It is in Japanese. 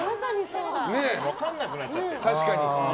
分からなくなっちゃってる。